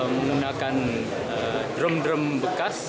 menggunakan drum drum bekas